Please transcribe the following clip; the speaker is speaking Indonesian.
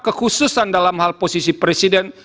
kekhususan dalam hal posisi presiden